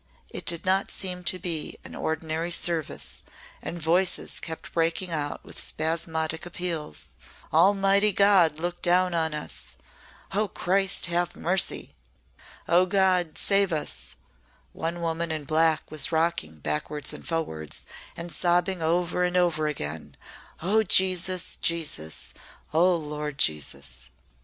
It did not seem to be an ordinary service and voices kept breaking out with spasmodic appeals, 'Almighty God, look down on us!' 'Oh, Christ, have mercy!' 'Oh, God, save us!' One woman in black was rocking backwards and forwards and sobbing over and over again, 'Oh, Jesus! Jesus! Oh, Lord Jesus!'"